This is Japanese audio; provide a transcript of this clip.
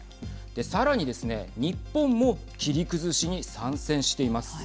さらにですね、日本も切り崩しに参戦しています。